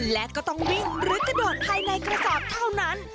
และก็ต้องวิ่งหรือกระโดดภายในกระสอบเท่านั้น